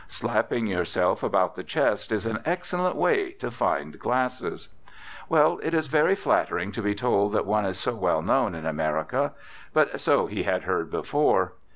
Slapping yourself about the chest is an excellent way to find glasses. Well, it is very flattering to be told that one is so well known in America. But so he had heard before.